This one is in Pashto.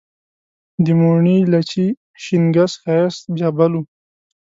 د موڼي، لچي، شینګس ښایست بیا بل و